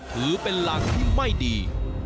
ถือเป็นหลักที่ไม่ดี